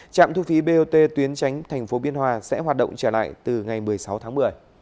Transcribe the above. trạm thu phí bot tuyến tránh thành phố biên hòa sẽ hoạt động trở lại từ ngày một mươi sáu tháng một mươi